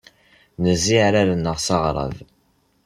Nezzi iɛrar-nneɣ s aɣrab.